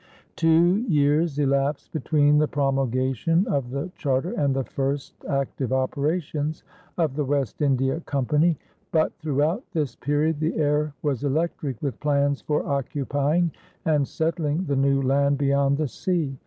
Two years elapsed between the promulgation of the charter and the first active operations of the West India Company; but throughout this period the air was electric with plans for occupying and settling the new land beyond the sea.